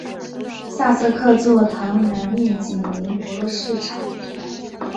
萨瑟克座堂南面紧邻博罗市场。